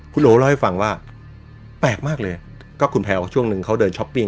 คุณโอเล่าให้ฟังว่าแปลกมากเลยก็คุณแพลวช่วงนึงเขาเดินช้อปปิ้ง